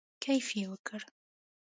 کیف یې وکړ.